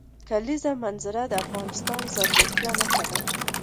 د کلیزو منظره د افغانستان د زرغونتیا نښه ده.